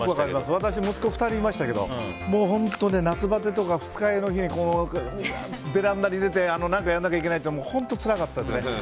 私、息子２人いましたけど本当夏バテとか二日酔いの日にベランダに出て何かやらなきゃいけないって本当につらかったです。